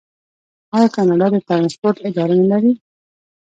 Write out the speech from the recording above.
آیا کاناډا د ټرانسپورټ اداره نلري؟